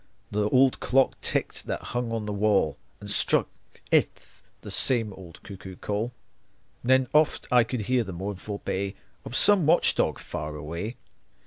The old clock ticked that hung on the wall And struck 'th the same old cuckoo call; Then oft I could hear the mournful bay Of some watch dog far away.